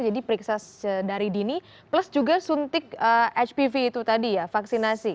periksa dari dini plus juga suntik hpv itu tadi ya vaksinasi